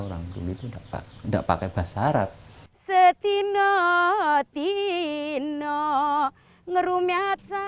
orang dulu itu tidak pakai bahasa arab